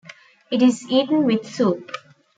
It is eaten with soup.